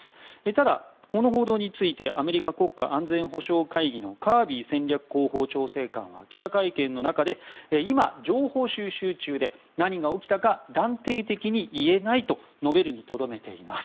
ただ、この報道についてアメリカ国家安全保障会議のカービー戦略広報調整官は記者会見の中で今、情報収集中で何が起きたか断定的に言えないと述べるにとどめています。